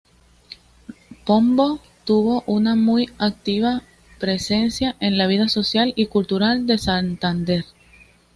Pombo tuvo una muy activa presencia en la vida social y cultural de Santander.